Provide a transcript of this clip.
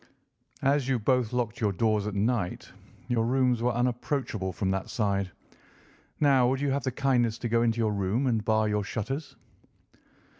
"As you both locked your doors at night, your rooms were unapproachable from that side. Now, would you have the kindness to go into your room and bar your shutters?"